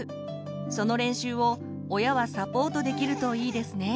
その練習を親はサポートできるといいですね。